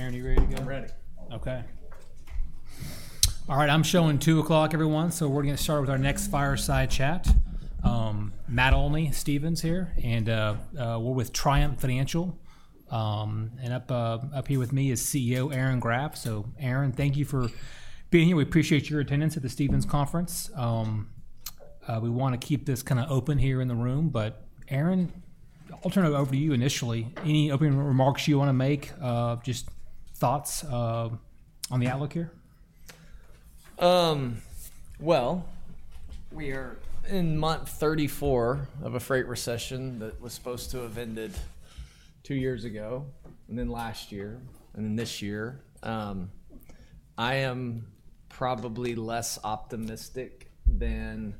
Aaron, you ready to go? I'm ready. Okay. All right, I'm showing 2:00 P.M. everyone, so we're going to start with our next fireside chat. Matt Olney, Stephens here, and we're with Triumph Financial. And up here with me is CEO Aaron Graft. So Aaron, thank you for being here. We appreciate your attendance at the Stephens Conference. We want to keep this kind of open here in the room. But Aaron, I'll turn it over to you initially. Any opening remarks you want to make? Just thoughts on the outlook here? We are in month 34 of a freight recession that was supposed to have ended two years ago, and then last year, and then this year. I am probably less optimistic than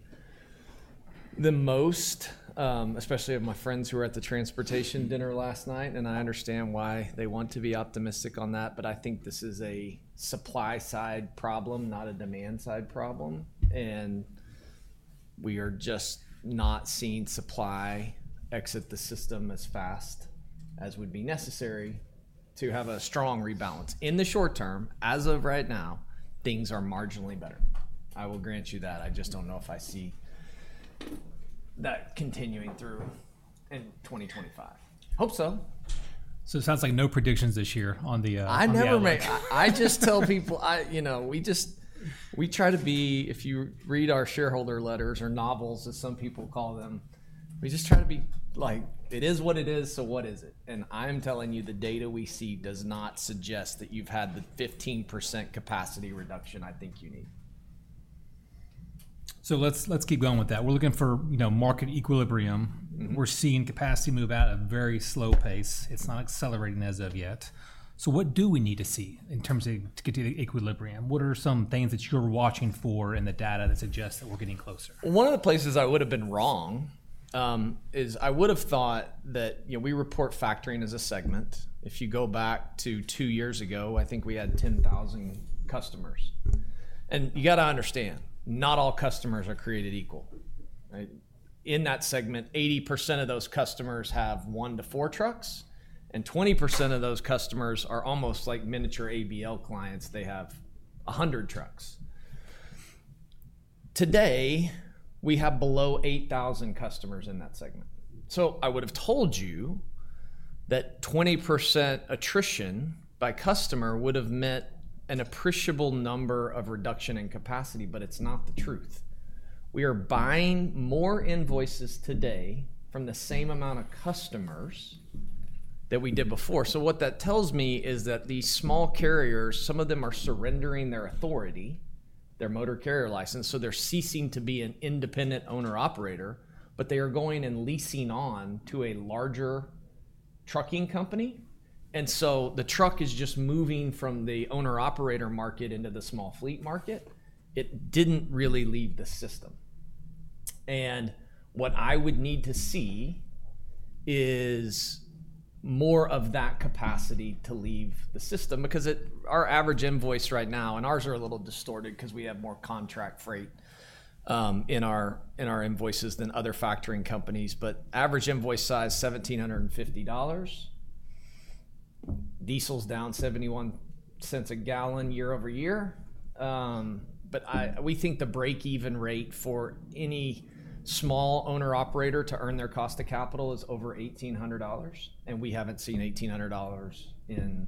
most, especially of my friends who were at the transportation dinner last night. I understand why they want to be optimistic on that. I think this is a supply-side problem, not a demand-side problem. We are just not seeing supply exit the system as fast as would be necessary to have a strong rebalance. In the short term, as of right now, things are marginally better. I will grant you that. I just don't know if I see that continuing through in 2025. Hope so. So it sounds like no predictions this year on the economy. I never make. I just tell people, you know, we just, we try to be, if you read our shareholder letters or novels, as some people call them, we just try to be like, it is what it is, so what is it? And I'm telling you, the data we see does not suggest that you've had the 15% capacity reduction I think you need. So let's keep going with that. We're looking for market equilibrium. We're seeing capacity move at a very slow pace. It's not accelerating as of yet. So what do we need to see in terms of to get to the equilibrium? What are some things that you're watching for in the data that suggests that we're getting closer? One of the places I would have been wrong is I would have thought that we report factoring as a segment. If you go back to two years ago, I think we had 10,000 customers, and you got to understand, not all customers are created equal. In that segment, 80% of those customers have one to four trucks, and 20% of those customers are almost like miniature ABL clients. They have 100 trucks. Today, we have below 8,000 customers in that segment, so I would have told you that 20% attrition by customer would have meant an appreciable number of reduction in capacity, but it's not the truth. We are buying more invoices today from the same amount of customers that we did before, so what that tells me is that these small carriers, some of them are surrendering their authority, their motor carrier license. So they're ceasing to be an independent owner-operator, but they are going and leasing on to a larger trucking company. And so the truck is just moving from the owner-operator market into the small fleet market. It didn't really leave the system. And what I would need to see is more of that capacity to leave the system. Because our average invoice right now, and ours are a little distorted because we have more contract freight in our invoices than other factoring companies, but average invoice size $1,750. Diesel's down $0.71 a gallon year over year. But we think the break-even rate for any small owner-operator to earn their cost of capital is over $1,800. And we haven't seen $1,800 in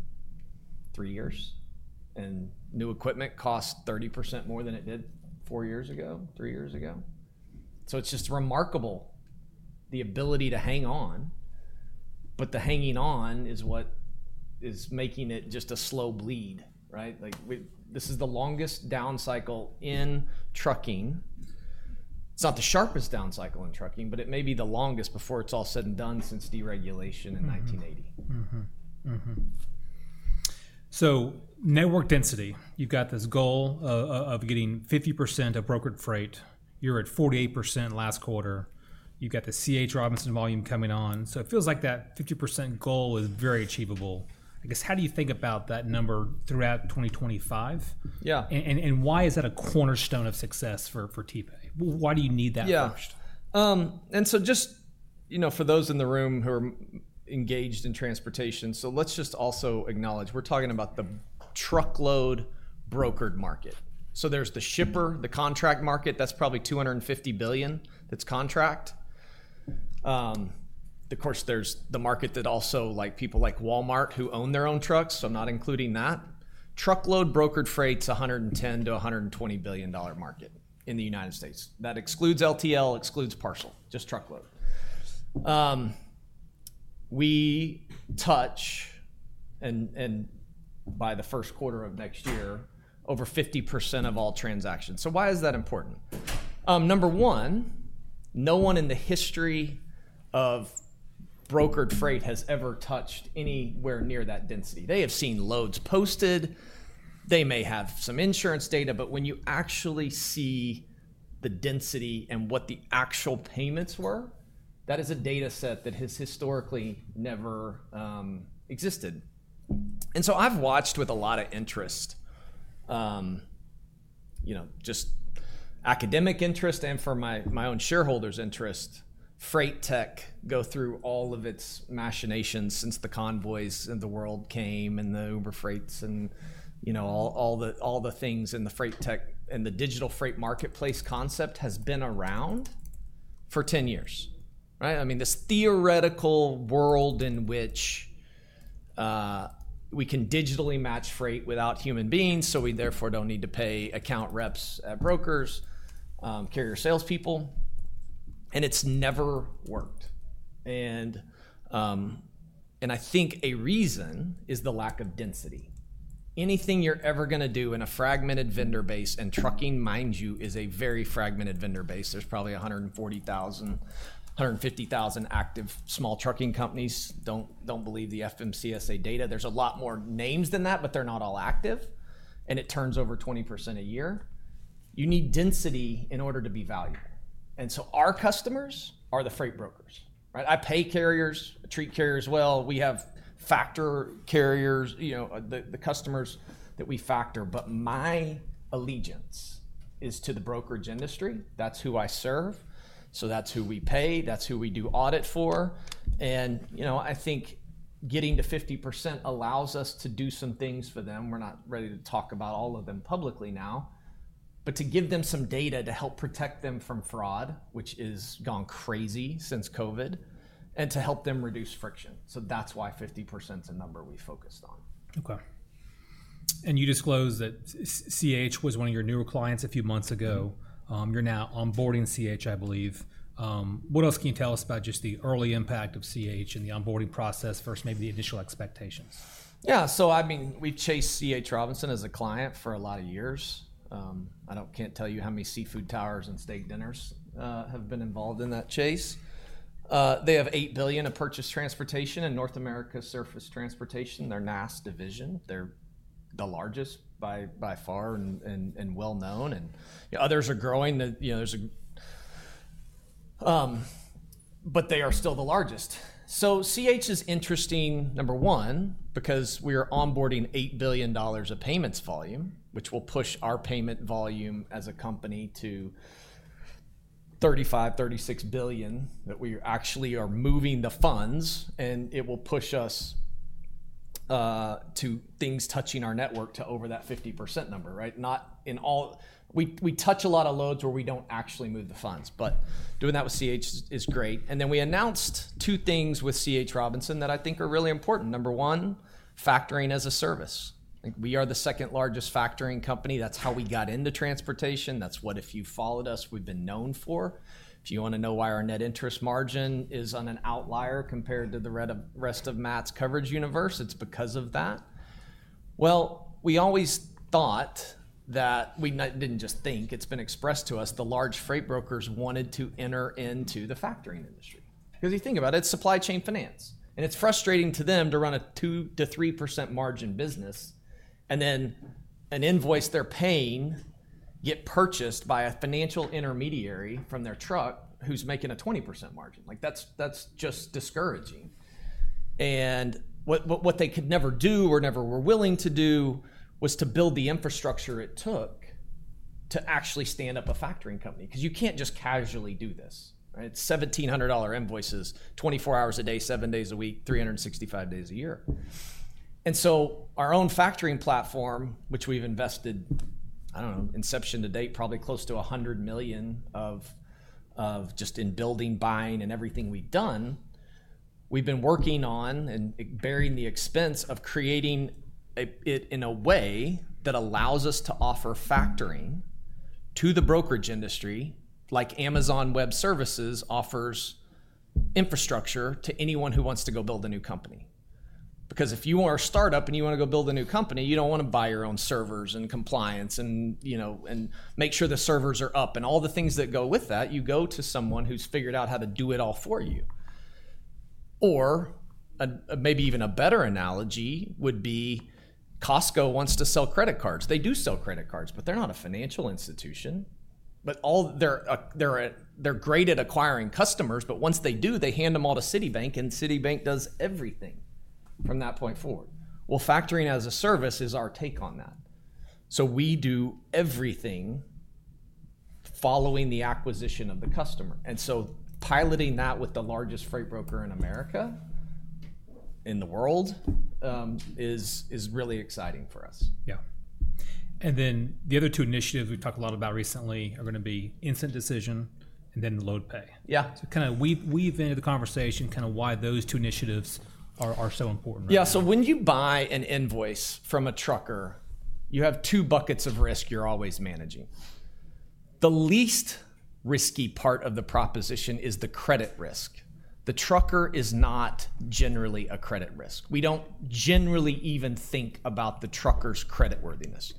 three years. And new equipment costs 30% more than it did four years ago, three years ago. So it's just remarkable the ability to hang on. But the hanging on is what is making it just a slow bleed, right? This is the longest down cycle in trucking. It's not the sharpest down cycle in trucking, but it may be the longest before it's all said and done since deregulation in 1980. So network density, you've got this goal of getting 50% of brokered freight. You're at 48% last quarter. You've got the C.H. Robinson volume coming on. So it feels like that 50% goal is very achievable. I guess, how do you think about that number throughout 2025? Yeah. Why is that a cornerstone of success for TPA? Why do you need that first? Yeah. And so just, you know, for those in the room who are engaged in transportation. So let's just also acknowledge we're talking about the truckload brokered market. So there's the shipper, the contract market, that's probably $250 billion that's contract. Of course, there's the market that also like people like Walmart who own their own trucks. So I'm not including that. Truckload brokered freight's $110-$120 billion market in the United States. That excludes LTL, excludes parcel, just truckload. We touch, and by the first quarter of next year, over 50% of all transactions. So why is that important? Number one, no one in the history of brokered freight has ever touched anywhere near that density. They have seen loads posted. They may have some insurance data. But when you actually see the density and what the actual payments were, that is a data set that has historically never existed. And so I've watched with a lot of interest, you know, just academic interest and for my own shareholders' interest, FreightTech go through all of its machinations since Convoy and Uber Freight came and, you know, all the things in the FreightTech and the digital freight marketplace concept has been around for 10 years, right? I mean, this theoretical world in which we can digitally match freight without human beings, so we therefore don't need to pay account reps at brokers, carrier salespeople. And it's never worked. And I think a reason is the lack of density. Anything you're ever going to do in a fragmented vendor base, and trucking, mind you, is a very fragmented vendor base. There's probably 140,000, 150,000 active small trucking companies. Don't believe the FMCSA data. There's a lot more names than that, but they're not all active, and it turns over 20% a year. You need density in order to be valuable, and so our customers are the freight brokers, right? I pay carriers, treat carriers well. We have factor carriers, you know, the customers that we factor. But my allegiance is to the brokerage industry. That's who I serve, so that's who we pay. That's who we do audit for, and, you know, I think getting to 50% allows us to do some things for them. We're not ready to talk about all of them publicly now, but to give them some data to help protect them from fraud, which has gone crazy since COVID, and to help them reduce friction, so that's why 50% is a number we focused on. Okay, and you disclosed that C.H. was one of your newer clients a few months ago. You're now onboarding C.H., I believe. What else can you tell us about just the early impact of C.H. and the onboarding process versus maybe the initial expectations? Yeah. So I mean, we chased C.H. Robinson as a client for a lot of years. I can't tell you how many seafood towers and steak dinners have been involved in that chase. They have $8 billion of purchased transportation in North America surface transportation. They're their NAST division. They're the largest by far and well-known. And others are growing. You know, but they are still the largest. So C.H. is interesting, number one, because we are onboarding $8 billion of payments volume, which will push our payment volume as a company to $35-$36 billion that we actually are moving the funds. And it will push us to things touching our network to over that 50% number, right? Not in all, we touch a lot of loads where we don't actually move the funds. But doing that with C.H. is great. And then we announced two things with C.H. Robinson that I think are really important. Number one, factoring as a service. We are the second largest factoring company. That's how we got into transportation. That's what if you followed us, we've been known for. If you want to know why our net interest margin is on an outlier compared to the rest of Matt's coverage universe, it's because of that. Well, we always thought that we didn't just think, it's been expressed to us, the large freight brokers wanted to enter into the factoring industry. Because if you think about it, it's supply chain finance. And it's frustrating to them to run a 2%-3% margin business and then an invoice they're paying get purchased by a financial intermediary from their truck who's making a 20% margin. Like that's just discouraging. And what they could never do or never were willing to do was to build the infrastructure it took to actually stand up a factoring company. Because you can't just casually do this, right? It's 1,700 invoices 24 hours a day, seven days a week, 365 days a year. And so our own factoring platform, which we've invested, I don't know, inception to date, probably close to $100 million of just in building, buying, and everything we've done, we've been working on and bearing the expense of creating it in a way that allows us to offer factoring to the brokerage industry, like Amazon Web Services offers infrastructure to anyone who wants to go build a new company. Because if you are a startup and you want to go build a new company, you don't want to buy your own servers and compliance and, you know, and make sure the servers are up and all the things that go with that, you go to someone who's figured out how to do it all for you. Or maybe even a better analogy would be Costco wants to sell credit cards. They do sell credit cards, but they're not a financial institution. But they're great at acquiring customers, but once they do, they hand them all to Citibank, and Citibank does everything from that point forward. Well, factoring as a service is our take on that. So we do everything following the acquisition of the customer. And so piloting that with the largest freight broker in America, in the world, is really exciting for us. Yeah, and then the other two initiatives we've talked a lot about recently are going to be Instant Decision and then LoadPay. Yeah. So, kind of weave into the conversation kind of why those two initiatives are so important. Yeah. So when you buy an invoice from a trucker, you have two buckets of risk you're always managing. The least risky part of the proposition is the credit risk. The trucker is not generally a credit risk. We don't generally even think about the trucker's creditworthiness.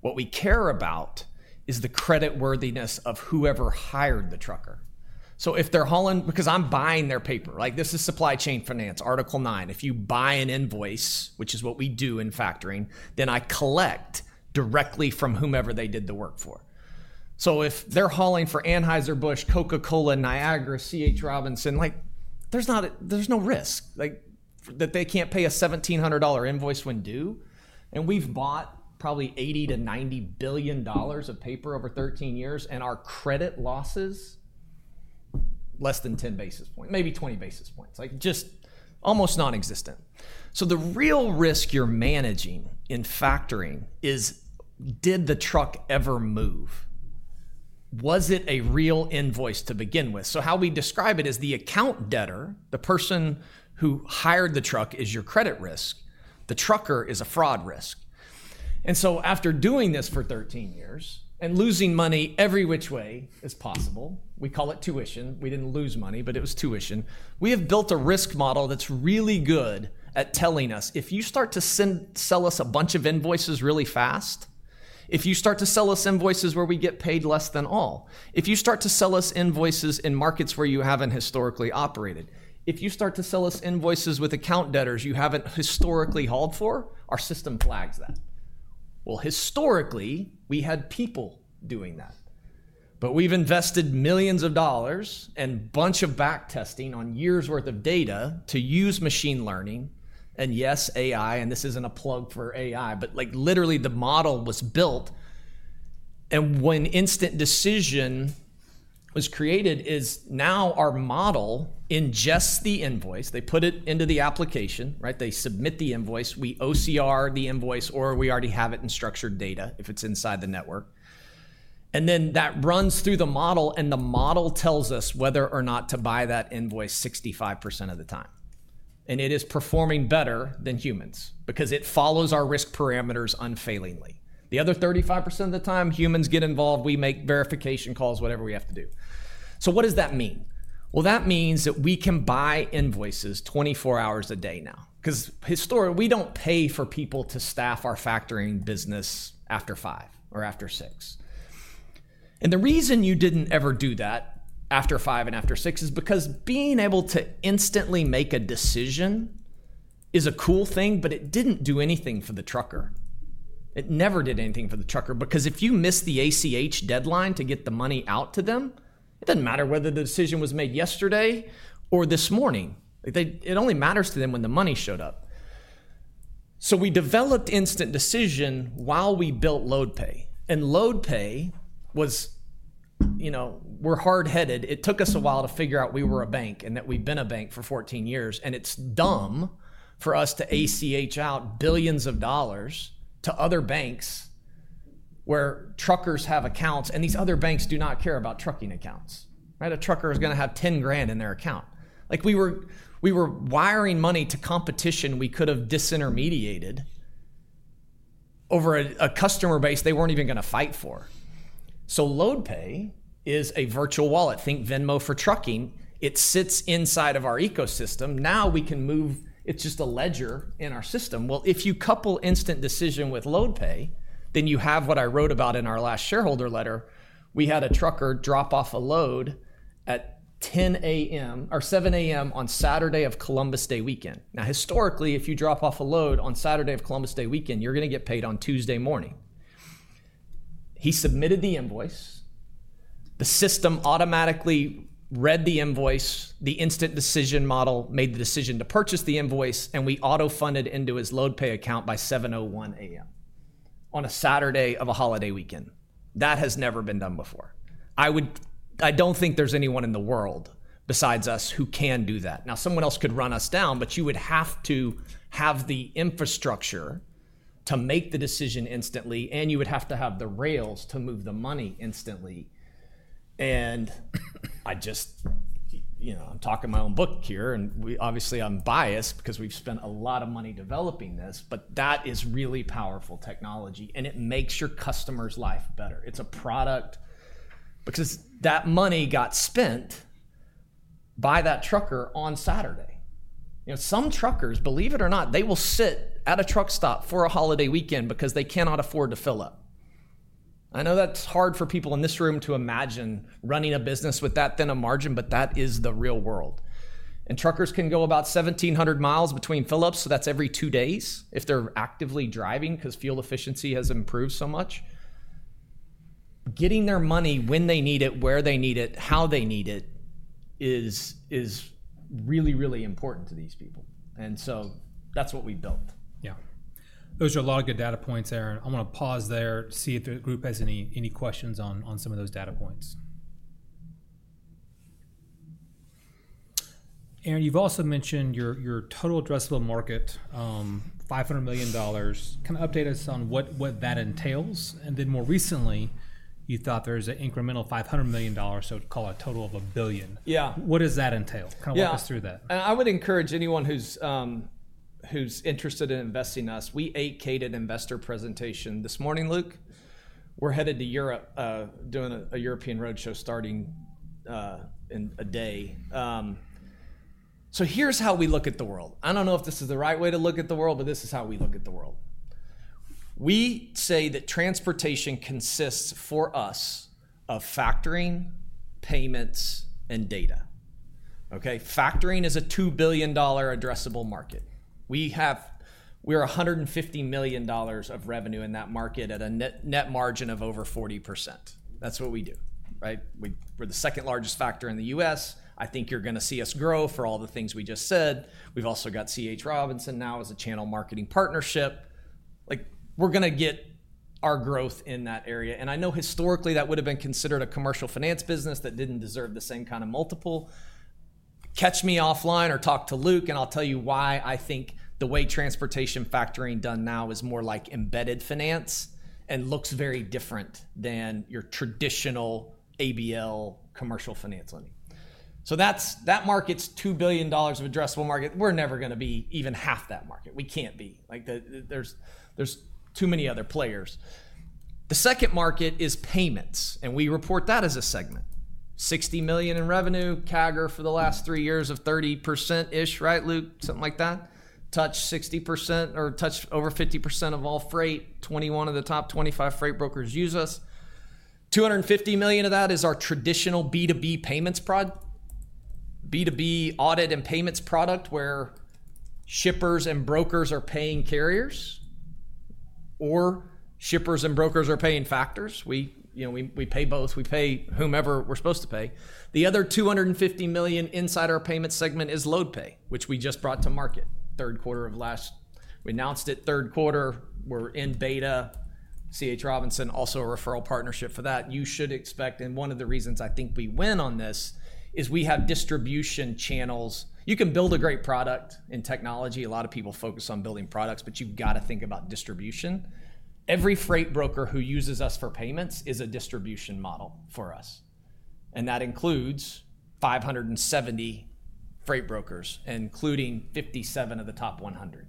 What we care about is the creditworthiness of whoever hired the trucker. So if they're hauling, because I'm buying their paper, like this is supply chain finance, Article 9, if you buy an invoice, which is what we do in factoring, then I collect directly from whomever they did the work for. So if they're hauling for Anheuser-Busch, Coca-Cola, Niagara, C.H. Robinson, like there's no risk that they can't pay a $1,700 invoice when due. We've bought probably $80-$90 billion of paper over 13 years, and our credit loss is less than 10 basis points, maybe 20 basis points, like just almost non-existent. So the real risk you're managing in factoring is, did the truck ever move? Was it a real invoice to begin with? So how we describe it is the account debtor, the person who hired the truck is your credit risk. The trucker is a fraud risk. And so after doing this for 13 years and losing money every which way is possible, we call it tuition. We didn't lose money, but it was tuition. We have built a risk model that's really good at telling us if you start to sell us a bunch of invoices really fast, if you start to sell us invoices where we get paid less than all, if you start to sell us invoices in markets where you haven't historically operated, if you start to sell us invoices with account debtors you haven't historically hauled for, our system flags that. Well, historically, we had people doing that. But we've invested millions of dollars and a bunch of backtesting on years' worth of data to use machine learning. And yes, AI, and this isn't a plug for AI, but like literally the model was built. And when Instant Decision was created, is now our model ingests the invoice. They put it into the application, right? They submit the invoice. We OCR the invoice or we already have it in structured data if it's inside the network. And then that runs through the model, and the model tells us whether or not to buy that invoice 65% of the time. And it is performing better than humans because it follows our risk parameters unfailingly. The other 35% of the time, humans get involved. We make verification calls, whatever we have to do. So what does that mean? Well, that means that we can buy invoices 24 hours a day now. Because historically, we don't pay for people to staff our factoring business after five or after six. And the reason you didn't ever do that after five and after six is because being able to instantly make a decision is a cool thing, but it didn't do anything for the trucker. It never did anything for the trucker because if you missed the ACH deadline to get the money out to them, it doesn't matter whether the decision was made yesterday or this morning. It only matters to them when the money showed up. So we developed Instant Decision while we built LoadPay. And LoadPay was, you know, we're hardheaded. It took us a while to figure out we were a bank and that we've been a bank for 14 years. And it's dumb for us to ACH out billions of dollars to other banks where truckers have accounts and these other banks do not care about trucking accounts, right? A trucker is going to have $10,000 in their account. Like we were wiring money to competition we could have disintermediated over a customer base they weren't even going to fight for. So LoadPay is a virtual wallet. Think Venmo for trucking. It sits inside of our ecosystem. Now we can move, it's just a ledger in our system. Well, if you couple Instant Decision with LoadPay, then you have what I wrote about in our last shareholder letter. We had a trucker drop off a load at 10:00 A.M. or 7:00 A.M. on Saturday of Columbus Day weekend. Now, historically, if you drop off a load on Saturday of Columbus Day weekend, you're going to get paid on Tuesday morning. He submitted the invoice. The system automatically read the invoice. The Instant Decision model made the decision to purchase the invoice, and we auto-funded into his LoadPay account by 7:01 A.M. on a Saturday of a holiday weekend. That has never been done before. I don't think there's anyone in the world besides us who can do that. Now, someone else could run us down, but you would have to have the infrastructure to make the decision instantly, and you would have to have the rails to move the money instantly. And I just, you know, I'm talking my own book here, and obviously I'm biased because we've spent a lot of money developing this, but that is really powerful technology, and it makes your customer's life better. It's a product because that money got spent by that trucker on Saturday. You know, some truckers, believe it or not, they will sit at a truck stop for a holiday weekend because they cannot afford to fill up. I know that's hard for people in this room to imagine running a business with that thin of margin, but that is the real world. And truckers can go about 1,700 miles between fill-ups, so that's every two days if they're actively driving because fuel efficiency has improved so much. Getting their money when they need it, where they need it, how they need it is really, really important to these people. And so that's what we built. Yeah. Those are a lot of good data points, Aaron. I want to pause there, see if the group has any questions on some of those data points. Aaron, you've also mentioned your total addressable market, $500 million. Kind of update us on what that entails. And then more recently, you thought there was an incremental $500 million, so call it a total of a billion. Yeah. What does that entail? Kind of walk us through that. Yeah. And I would encourage anyone who's interested in investing in us, we decked an investor presentation this morning, Luke. We're headed to Europe doing a European roadshow starting in a day. So here's how we look at the world. I don't know if this is the right way to look at the world, but this is how we look at the world. We say that transportation consists for us of factoring, payments, and data. Okay? Factoring is a $2 billion addressable market. We are $150 million of revenue in that market at a net margin of over 40%. That's what we do, right? We're the second largest factor in the U.S. I think you're going to see us grow for all the things we just said. We've also got C.H. Robinson now as a channel marketing partnership. Like we're going to get our growth in that area. And I know historically that would have been considered a commercial finance business that didn't deserve the same kind of multiple. Catch me offline or talk to Luke, and I'll tell you why I think the way transportation factoring done now is more like embedded finance and looks very different than your traditional ABL commercial finance lending. So that market's $2 billion of addressable market, we're never going to be even half that market. We can't be. Like there's too many other players. The second market is payments, and we report that as a segment. $60 million in revenue, CAGR for the last three years of 30%-ish, right, Luke? Something like that. Touch 60% or touch over 50% of all freight. 21 of the top 25 freight brokers use us. $250 million of that is our traditional B2B payments product, B2B audit and payments product where shippers and brokers are paying carriers or shippers and brokers are paying factors. We, you know, we pay both. We pay whomever we're supposed to pay. The other $250 million inside our payment segment is LoadPay, which we just brought to market. Third quarter of last, we announced it third quarter. We're in beta. C.H. Robinson, also a referral partnership for that. You should expect, and one of the reasons I think we win on this is we have distribution channels. You can build a great product in technology. A lot of people focus on building products, but you've got to think about distribution. Every freight broker who uses us for payments is a distribution model for us. And that includes 570 freight brokers, including 57 of the top 100.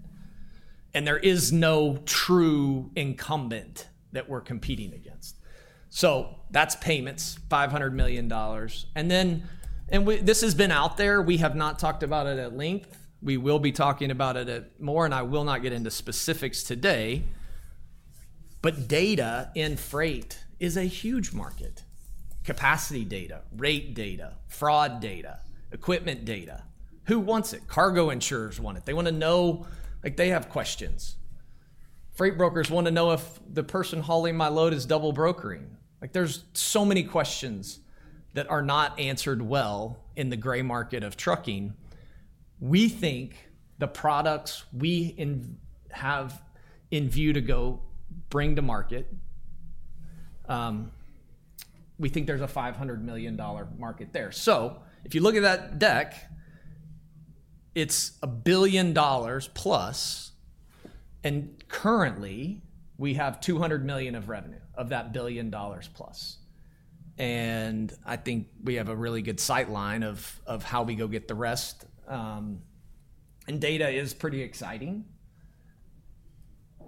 There is no true incumbent that we're competing against. That's payments, $500 million. Then this has been out there. We have not talked about it at length. We will be talking about it more, and I will not get into specifics today. Data in freight is a huge market. Capacity data, rate data, fraud data, equipment data. Who wants it? Cargo insurers want it. They want to know, like they have questions. Freight brokers want to know if the person hauling my load is double brokering. Like there's so many questions that are not answered well in the gray market of trucking. We think the products we have in view to go bring to market. We think there's a $500 million market there. So if you look at that deck, it's $1 billion plus, and currently we have $200 million of revenue of that $1 billion plus. And I think we have a really good sightline of how we go get the rest. And data is pretty exciting.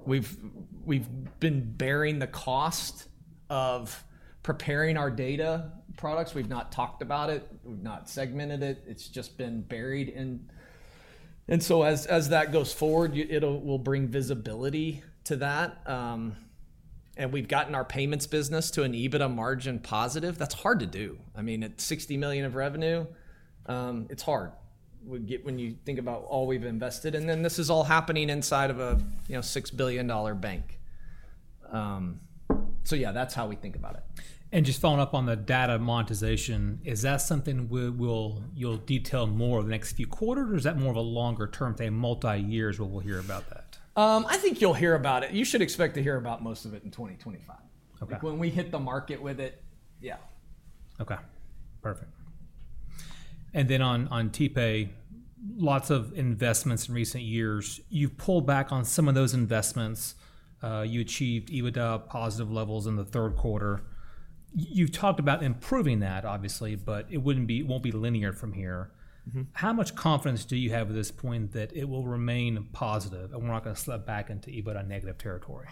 We've been bearing the cost of preparing our data products. We've not talked about it. We've not segmented it. It's just been buried. And so as that goes forward, it will bring visibility to that. And we've gotten our payments business to an EBITDA margin positive. That's hard to do. I mean, at $60 million of revenue, it's hard when you think about all we've invested. And then this is all happening inside of a $6 billion bank. So yeah, that's how we think about it. Just following up on the data monetization, is that something you'll detail more in the next few quarters, or is that more of a longer term, say multi-years, where we'll hear about that? I think you'll hear about it. You should expect to hear about most of it in 2025. Okay. When we hit the market with it, yeah. Okay. Perfect. And then on TPay, lots of investments in recent years. You've pulled back on some of those investments. You achieved EBITDA positive levels in the third quarter. You've talked about improving that, obviously, but it won't be linear from here. How much confidence do you have at this point that it will remain positive and we're not going to slip back into EBITDA negative territory?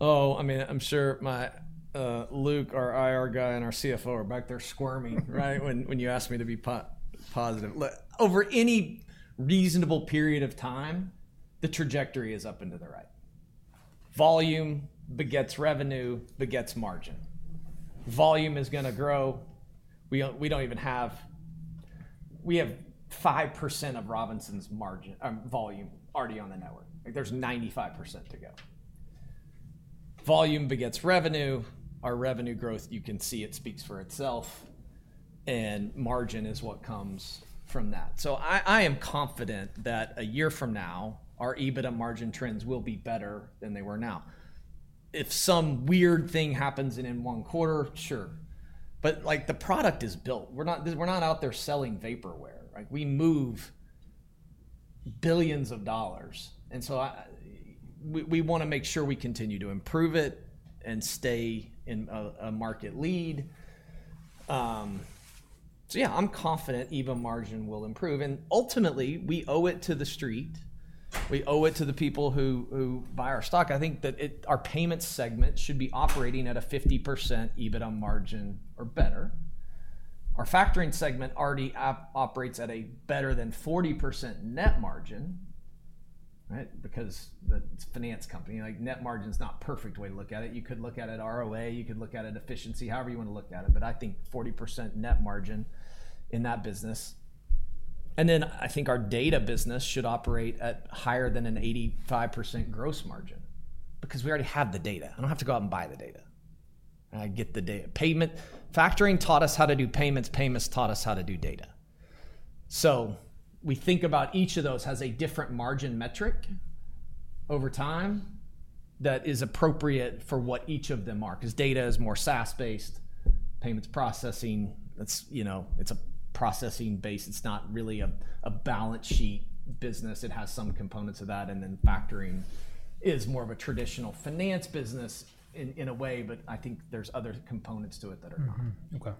Oh, I mean, I'm sure my Luke, our IR guy and our CFO are back there squirming, right, when you asked me to be positive. Over any reasonable period of time, the trajectory is up and to the right. Volume begets revenue begets margin. Volume is going to grow. We don't even have, we have 5% of Robinson's margin volume already on the network. There's 95% to go. Volume begets revenue. Our revenue growth, you can see it speaks for itself. And margin is what comes from that. So I am confident that a year from now, our EBITDA margin trends will be better than they were now. If some weird thing happens in one quarter, sure. But like the product is built. We're not out there selling vaporware. We move billions of dollars. And so we want to make sure we continue to improve it and stay in a market lead. So yeah, I'm confident EBITDA margin will improve. And ultimately, we owe it to the street. We owe it to the people who buy our stock. I think that our payment segment should be operating at a 50% EBITDA margin or better. Our factoring segment already operates at a better than 40% net margin, right, because it's a finance company. Like net margin is not a perfect way to look at it. You could look at it ROA. You could look at it efficiency, however you want to look at it. But I think 40% net margin in that business. And then I think our data business should operate at higher than an 85% gross margin because we already have the data. I don't have to go out and buy the data. I get the data. Factoring taught us how to do payments. Payments taught us how to do data. So we think about each of those has a different margin metric over time that is appropriate for what each of them are because data is more SaaS-based, payments processing. It's a processing base. It's not really a balance sheet business. It has some components of that. And then factoring is more of a traditional finance business in a way, but I think there's other components to it that are not. Okay.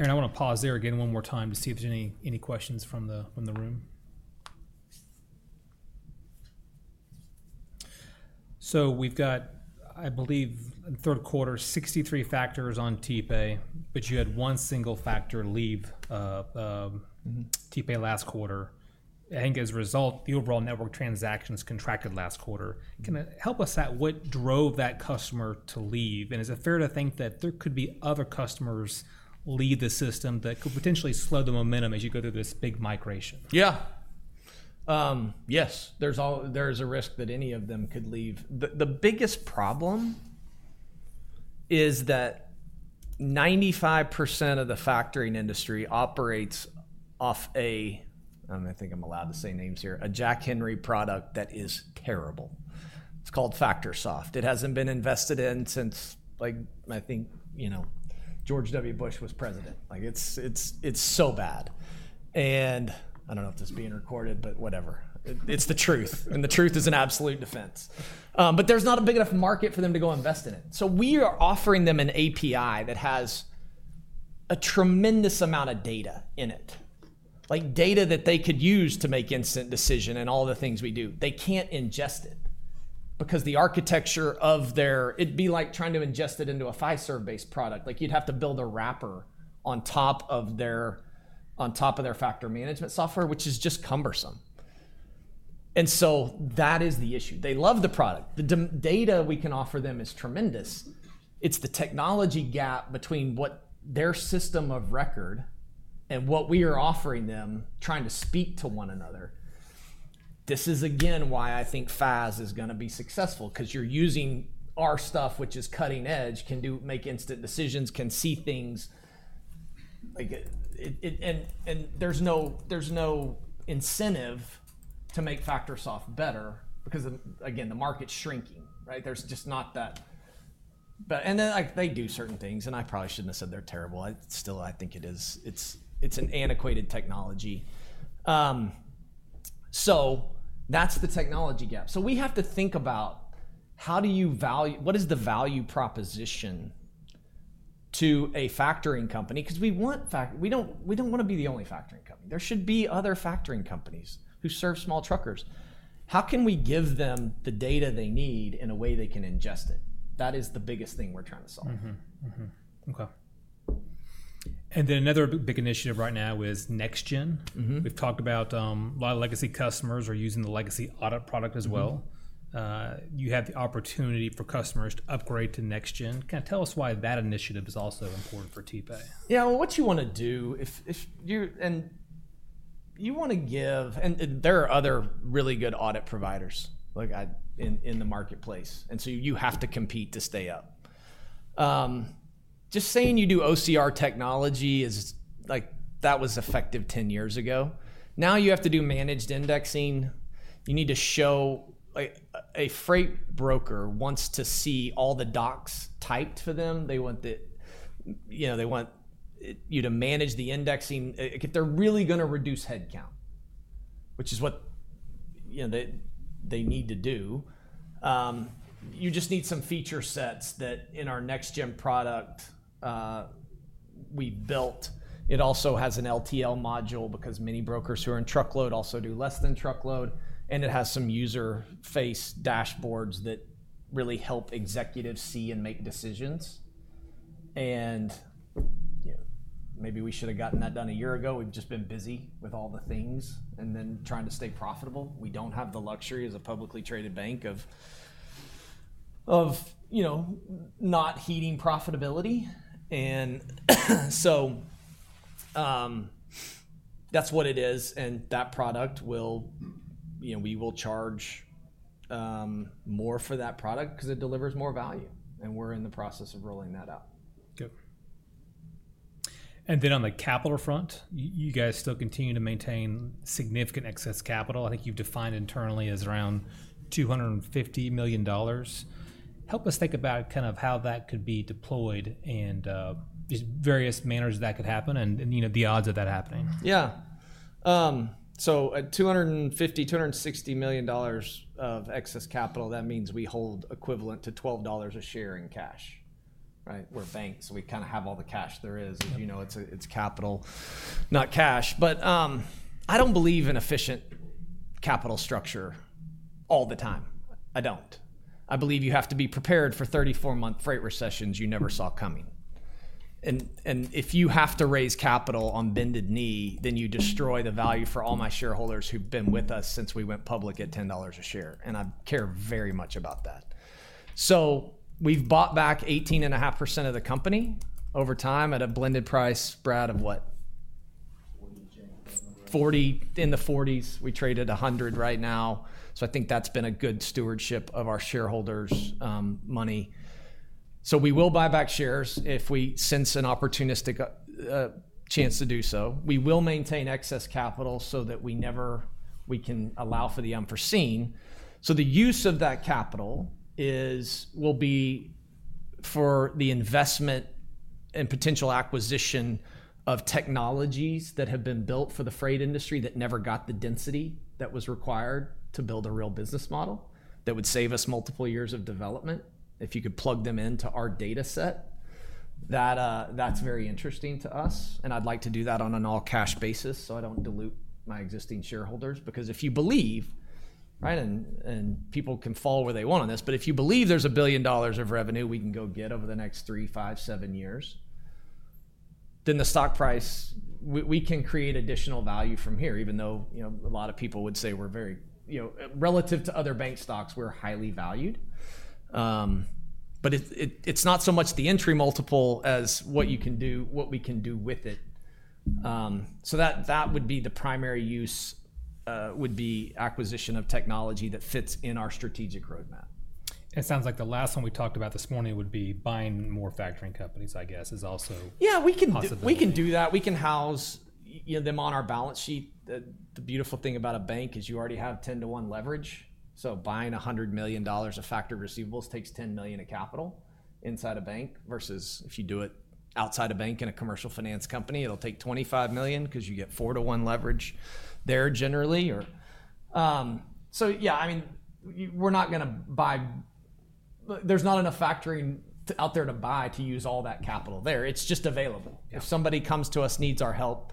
Aaron, I want to pause there again one more time to see if there's any questions from the room. So we've got, I believe, in the third quarter, 63 factors on TPay, but you had one single factor leave TPay last quarter. I think as a result, the overall network transactions contracted last quarter. Can you help us out? What drove that customer to leave? And is it fair to think that there could be other customers who leave the system that could potentially slow the momentum as you go through this big migration? Yeah. Yes. There's a risk that any of them could leave. The biggest problem is that 95% of the factoring industry operates off a, I don't think I'm allowed to say names here, a Jack Henry product that is terrible. It's called FactorSoft. It hasn't been invested in since like, I think, you know, George W. Bush was president. Like it's so bad. And I don't know if this is being recorded, but whatever. It's the truth. And the truth is an absolute defense. But there's not a big enough market for them to go invest in it. So we are offering them an API that has a tremendous amount of data in it. Like data that they could use to make instant decisions and all the things we do. They can't ingest it because the architecture of their, it'd be like trying to ingest it into a Fiserv-based product. Like you'd have to build a wrapper on top of their factor management software, which is just cumbersome. And so that is the issue. They love the product. The data we can offer them is tremendous. It's the technology gap between what their system of record and what we are offering them, trying to speak to one another. This is again why I think FAS is going to be successful because you're using our stuff, which is cutting edge, can do make instant decisions, can see things. And there's no incentive to make FactorSoft better because, again, the market's shrinking, right? There's just not that. And then like they do certain things, and I probably shouldn't have said they're terrible. Still, I think it is. It's an antiquated technology. So that's the technology gap. So we have to think about how do you value what is the value proposition to a factoring company? Because we want, we don't want to be the only factoring company. There should be other factoring companies who serve small truckers. How can we give them the data they need in a way they can ingest it? That is the biggest thing we're trying to solve. Okay and then another big initiative right now is NextGen. We've talked about a lot of legacy customers are using the legacy audit product as well. You have the opportunity for customers to upgrade to NextGen. Kind of tell us why that initiative is also important for TPay. Yeah. Well, what you want to do, if you want to give, and there are other really good audit providers in the marketplace, so you have to compete to stay up. Just saying you do OCR technology is like that was effective 10 years ago. Now you have to do managed indexing. You need to show a freight broker wants to see all the docs typed for them. They want you to manage the indexing. If they're really going to reduce headcount, which is what they need to do, you just need some feature sets that in our NextGen product we built. It also has an LTL module because many brokers who are in truckload also do less than truckload. It has some user-facing dashboards that really help executives see and make decisions, maybe we should have gotten that done a year ago. We've just been busy with all the things and then trying to stay profitable. We don't have the luxury as a publicly traded bank of not heeding profitability, and so that's what it is, and that product, we will charge more for that product because it delivers more value, and we're in the process of rolling that out. Yep. And then on the capital front, you guys still continue to maintain significant excess capital. I think you've defined internally as around $250 million. Help us think about kind of how that could be deployed and just various manners that could happen and the odds of that happening. Yeah. So at $250-$260 million of excess capital, that means we hold equivalent to $12 a share in cash, right? We're banks. We kind of have all the cash there is. It's capital, not cash. But I don't believe in efficient capital structure all the time. I don't. I believe you have to be prepared for 34-month freight recessions you never saw coming. And if you have to raise capital on bended knee, then you destroy the value for all my shareholders who've been with us since we went public at $10 a share. And I care very much about that. So we've bought back 18.5% of the company over time at a blended price, Brad, of what? 40. In the 40s. We traded 100 right now. So I think that's been a good stewardship of our shareholders' money. So we will buy back shares since an opportunistic chance to do so. We will maintain excess capital so that we can allow for the unforeseen. So the use of that capital will be for the investment and potential acquisition of technologies that have been built for the freight industry that never got the density that was required to build a real business model that would save us multiple years of development if you could plug them into our data set. That's very interesting to us. I'd like to do that on an all-cash basis so I don't dilute my existing shareholders because if you believe, right, and people can follow where they want on this, but if you believe there's $1 billion of revenue we can go get over the next three, five, seven years, then the stock price, we can create additional value from here, even though a lot of people would say we're very, relative to other bank stocks, we're highly valued. But it's not so much the entry multiple as what you can do, what we can do with it. So that would be the primary use: acquisition of technology that fits in our strategic roadmap. It sounds like the last one we talked about this morning would be buying more factoring companies, I guess, is also possible. Yeah, we can do that. We can house them on our balance sheet. The beautiful thing about a bank is you already have 10-to-1 leverage. So buying $100 million of factored receivables takes $10 million of capital inside a bank versus if you do it outside a bank in a commercial finance company, it'll take $25 million because you get 4-to-1 leverage there generally. So yeah, I mean, we're not going to buy. There's not enough factoring out there to buy to use all that capital there. It's just available. If somebody comes to us, needs our help,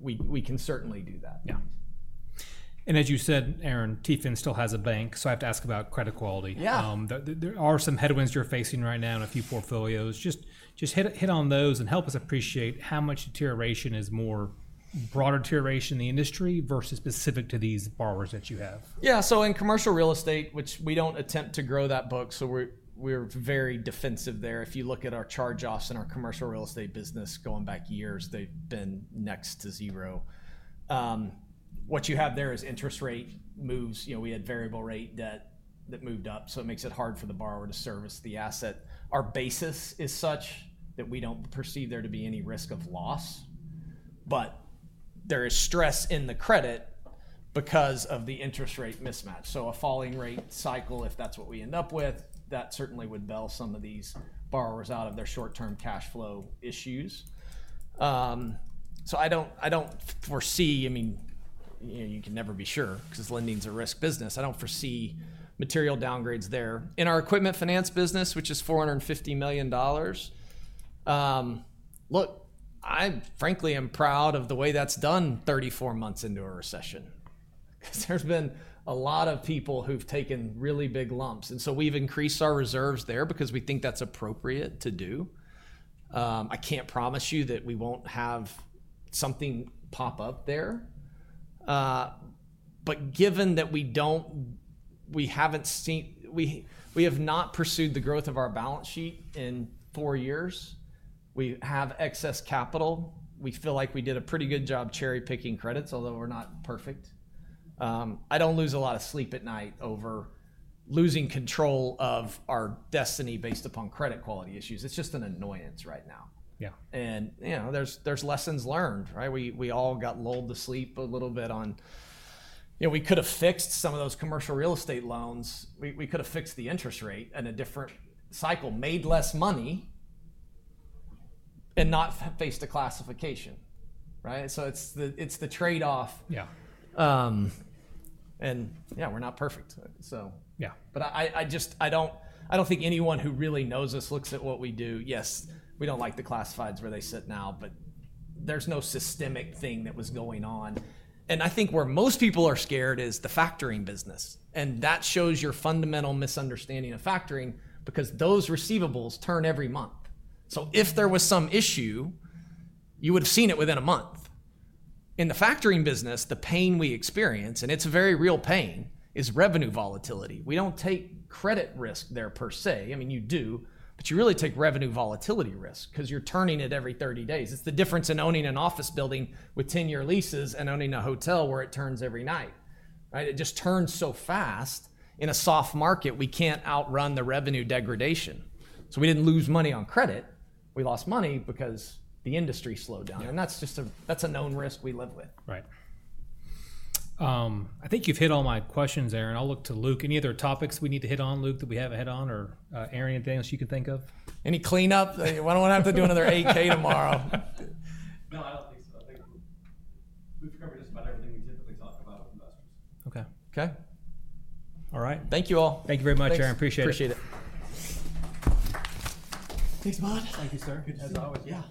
we can certainly do that. Yeah. And as you said, Aaron, TFIN still has a bank. So I have to ask about credit quality. There are some headwinds you're facing right now in a few portfolios. Just hit on those and help us appreciate how much deterioration is more broader deterioration in the industry versus specific to these borrowers that you have. Yeah. So in commercial real estate, which we don't attempt to grow that book, so we're very defensive there. If you look at our charge-offs in our commercial real estate business going back years, they've been next to zero. What you have there is interest rate moves. You know, we had variable rate debt that moved up. So it makes it hard for the borrower to service the asset. Our basis is such that we don't perceive there to be any risk of loss. But there is stress in the credit because of the interest rate mismatch. So a falling rate cycle, if that's what we end up with, that certainly would bail some of these borrowers out of their short-term cash flow issues. So I don't foresee, I mean, you can never be sure because lending's a risk business. I don't foresee material downgrades there. In our equipment finance business, which is $450 million. Look, I frankly am proud of the way that's done 34 months into a recession because there's been a lot of people who've taken really big lumps, and so we've increased our reserves there because we think that's appropriate to do. I can't promise you that we won't have something pop up there, but given that we haven't seen, we have not pursued the growth of our balance sheet in four years. We have excess capital. We feel like we did a pretty good job cherry-picking credits, although we're not perfect. I don't lose a lot of sleep at night over losing control of our destiny based upon credit quality issues. It's just an annoyance right now. Yeah, and you know, there's lessons learned, right? We all got lulled to sleep a little bit on, you know, we could have fixed some of those commercial real estate loans. We could have fixed the interest rate in a different cycle, made less money and not faced a classification, right? So it's the trade-off. Yeah, and yeah, we're not perfect, so yeah. But I don't think anyone who really knows us looks at what we do. Yes, we don't like the classifieds where they sit now, but there's no systemic thing that was going on, and I think where most people are scared is the factoring business, and that shows your fundamental misunderstanding of factoring because those receivables turn every month, so if there was some issue, you would have seen it within a month. In the factoring business, the pain we experience, and it's a very real pain, is revenue volatility. We don't take credit risk there per se. I mean, you do, but you really take revenue volatility risk because you're turning it every 30 days. It's the difference in owning an office building with 10-year leases and owning a hotel where it turns every night, right? It just turns so fast in a soft market. We can't outrun the revenue degradation. So we didn't lose money on credit. We lost money because the industry slowed down. And that's just a known risk we live with. Right. I think you've hit all my questions, Aaron. I'll look to Luke. Any other topics we need to hit on, Luke, that we haven't hit on? Or Aaron, anything else you can think of? Any cleanup? I don't want to have to do another 8-K tomorrow. No, I don't think so. I think we've covered just about everything we typically talk about with investors. Okay. Okay. All right. Thank you all. Thank you very much, Aaron. Appreciate it. Appreciate it. Thanks, Matt. Thank you, sir. As always. Yeah.